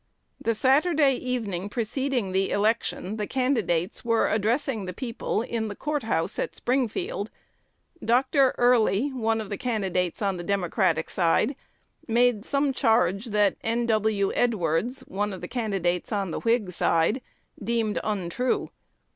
"The Saturday evening preceding the election the candidates were addressing the people in the Court House at Springfield. Dr. Early, one of the candidates on the Democratic side, made some charge that N. W. Edwards, one of the candidates on the Whig side, deemed untrue.